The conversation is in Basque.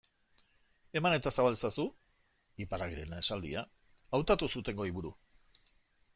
Eman eta zabal ezazu, Iparragirreren esaldia, hautatu zuten goiburu.